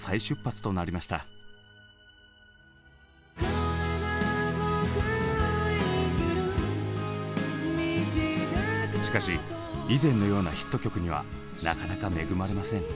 しかし以前のようなヒット曲にはなかなか恵まれません。